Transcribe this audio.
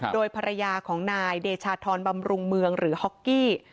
โดยภรรยาของนายเดชาธรบำรุงเมืองหรือฮอกกี้